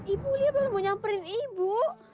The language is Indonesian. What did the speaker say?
ibu lia baru mau nyamperin ibu